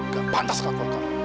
gak pantas kak